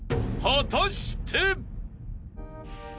［果たして］